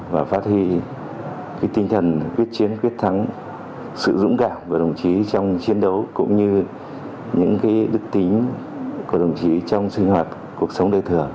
và phát huy tinh thần quyết chiến quyết thắng sự dũng cảm của đồng chí trong chiến đấu cũng như những đức tính của đồng chí trong sinh hoạt cuộc sống đời thường